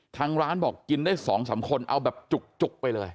ทางร้านบอกกินได้๒๓คนเอาแบบจุกไปเลย